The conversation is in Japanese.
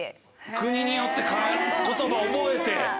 国によって言葉覚えて。